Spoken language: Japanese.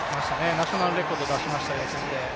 ナショナルレコード出しました、予選で。